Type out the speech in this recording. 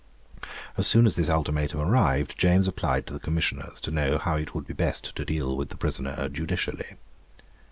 As soon as this ultimatum arrived, James applied to the Commissioners to know how it would be best to deal with the prisoner judicially.